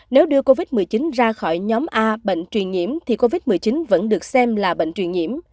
nếu đưa covid một mươi chín ra khỏi nhóm a bệnh truyền nhiễm thì covid một mươi chín vẫn được xem là bệnh truyền nhiễm